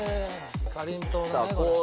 かりんとうだねこれは。